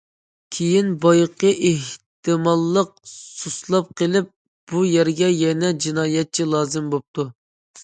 كېيىن بايىقى ئېھتىماللىق سۇسلاپ قېلىپ، بۇ يەرگە يەنە جىنايەتچى لازىم بوپتۇ.